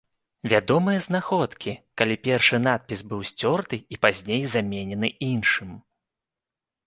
Вядомыя знаходкі, калі першы надпіс быў сцёрты і пазней заменены іншым.